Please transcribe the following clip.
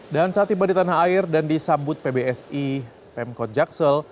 dan saat tiba di tanah air dan disambut pbsi pemkot jaksel